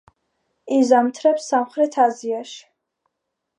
იზამთრებს სამხრეთ აზიაში.